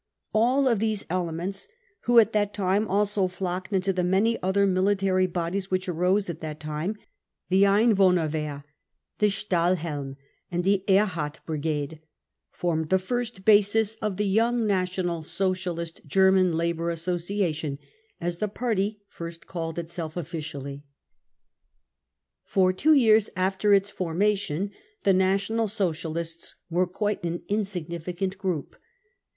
All of these elements, who at that time aSo flocked into the many other military bodies which arose at that time — the Einwohnerwehr, the Stahlhelm and the*Ehrhardt Brigade — formed the first basis of the young National Socialist German Labour Association, as the party first called itself officially. #•» 12 BROWN BOOK OF THE HITLER TERROR # For two years after its formation the* National Socialists were quite an insignificant group.